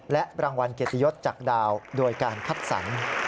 และรางวัลเกียรติยศจากดาวโดยการคัดสรร